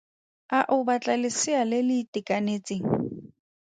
A o batla lesea le le itekanetseng?